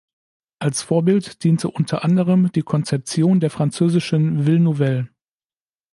Als Vorbild diente unter anderem die Konzeption der französischen Ville nouvelle.